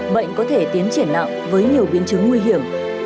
bệnh có thể tiến triển nặng với nhiều biến chứng nguy hiểm